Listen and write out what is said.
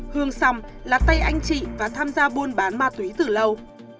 hương xòm là tay anh chị và tham gia buôn bán ma túy từ lâu